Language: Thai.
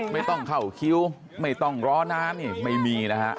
ไม่ต้องเข่าคิ้วไม่ต้องร้อน้านไม่มีนะครับ